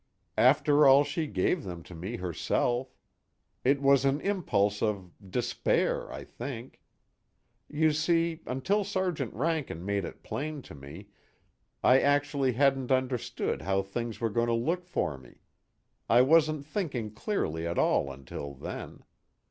_ "After all she gave them to me herself. It was an impulse of despair, I think. You see, until Sergeant Rankin made it plain to me, I actually hadn't understood how things were going to look for me. I wasn't thinking clearly at all until then.